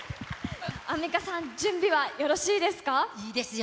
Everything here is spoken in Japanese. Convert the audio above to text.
アンミカさん、準備はよろしいいですよ。